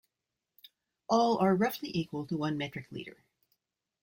All are roughly equal to one metric liter.